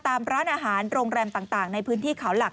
ตามร้านอาหารโรงแรมต่างในพื้นที่เขาหลัก